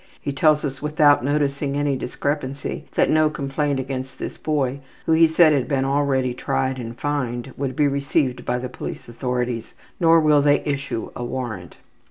He tells us, without noticing any discrepancy, that no complaint against this boy, who he said had been already tried and fined, would be received by the police authorities, nor will they issue a warrant.